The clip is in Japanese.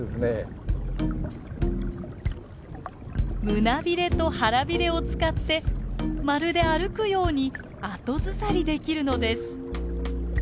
胸ビレと腹ビレを使ってまるで歩くように後ずさりできるのです。